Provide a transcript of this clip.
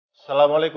aku udah lama mampu